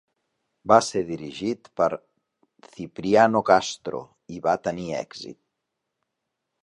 Va ser dirigit per Cipriano Castro i va tenir èxit.